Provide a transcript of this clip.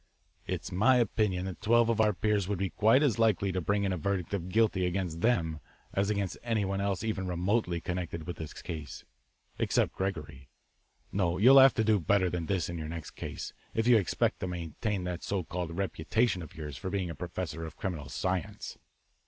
"It's my opinion that twelve of our peers would be quite as likely to bring in a verdict of guilty against them as against anyone else even remotely connected with this case, except Gregory. No, you'll have to do better than this in your next case, if you expect to maintain that so called reputation of yours for being a professor of criminal science."